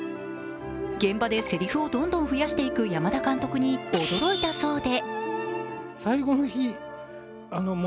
現場でせりふをどんどん増やしていく山田監督に驚いたそうで。